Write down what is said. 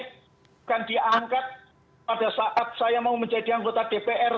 bukan diangkat pada saat saya mau menjadi anggota dpr